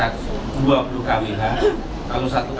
kalau satu kwh nya lima belas detik hanya sekitar empat menit saja sudah